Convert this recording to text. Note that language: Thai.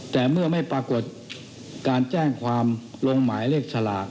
แต่เมื่อไม่ปรากฏการแจ้งความลงหมายเลขสลาก